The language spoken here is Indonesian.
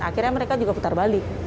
akhirnya mereka juga putar balik